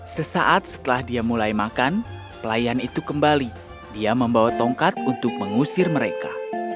sesaat setelah dia mulai makan pelayan itu kembali dia membawa tongkat untuk mengusir mereka